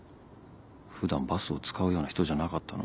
普段バスを使うような人じゃなかったのに。